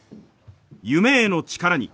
夢への力に。